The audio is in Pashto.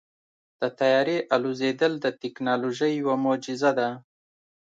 د طیارې الوزېدل د تیکنالوژۍ یوه معجزه ده.